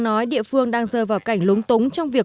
do cả vườn bị bệnh mà không thể cứu vãn